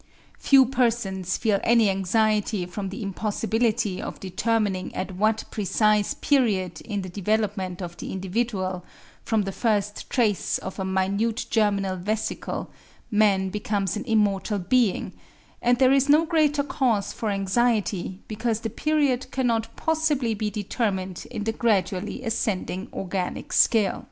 Few persons feel any anxiety from the impossibility of determining at what precise period in the development of the individual, from the first trace of a minute germinal vesicle, man becomes an immortal being; and there is no greater cause for anxiety because the period cannot possibly be determined in the gradually ascending organic scale.